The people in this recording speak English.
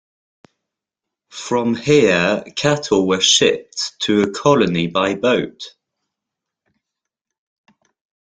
From here cattle were shipped to the Colony by boat.